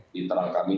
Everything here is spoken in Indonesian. di internal kami